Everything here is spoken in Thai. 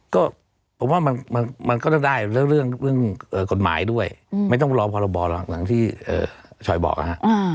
ก็ผมว่ามันก็ได้แล้วเรื่องกฎหมายด้วยไม่ต้องรอพรบหรอกหลังที่ชอยบอกนะฮะ